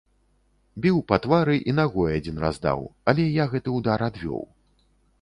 Біў па твары і нагой адзін раз даў, але я гэты ўдар адвёў.